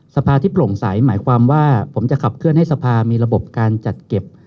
สภาที่โปร่งใสหมายความว่าผมจะขับเคลื่อนให้สภามีระบบการจัดเก็บ